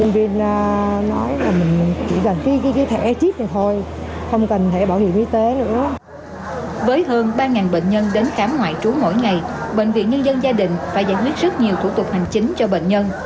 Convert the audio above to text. với hơn ba bệnh nhân đến khám ngoại trú mỗi ngày bệnh viện nhân dân gia đình phải giải quyết rất nhiều thủ tục hành chính cho bệnh nhân